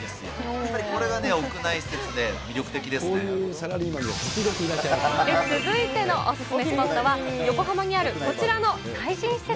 やっぱりこれがね、続いてのお勧めスポットは、横浜にあるこちらの最新施設。